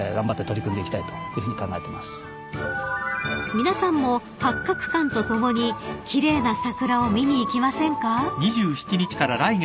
［皆さんも八鶴館と共に奇麗な桜を見に行きませんか？］